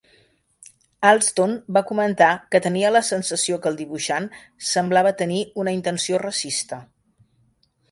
Alston va comentar que tenia la sensació que el dibuixant "semblava tenir una intenció racista".